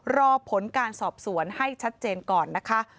รอผลการสอบสวนให้ชัดเจนก่อนนะคะ